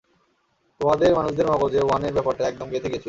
তোমাদের মানুষদের মগজে ওয়ানের ব্যাপারটা একদম গেঁথে গিয়েছিল!